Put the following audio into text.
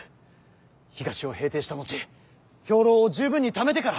東を平定した後兵糧を十分にためてから。